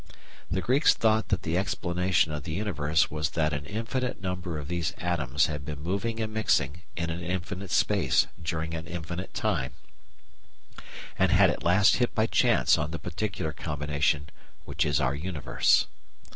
The Greeks thought that the explanation of the universe was that an infinite number of these atoms had been moving and mixing in an infinite space during an infinite time, and had at last hit by chance on the particular combination which is our universe.